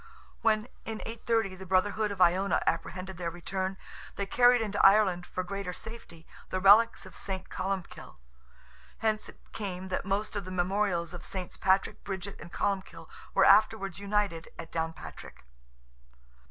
When, in 830, the brotherhood of Iona apprehended their return, they carried into Ireland, for greater safety, the relics of St. Columbkill. Hence it came that most of the memorials of SS. Patrick, Bridget, and Columbkill, were afterwards united at Downpatrick.